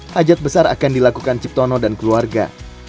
hajat besar akan dilakukan ciptono dan keluarga